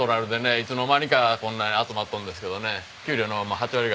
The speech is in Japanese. いつの間にかこんなに集まっとるんですけどね。